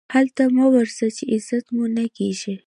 هلته مه ورځئ، چي عزت مو نه کېږي.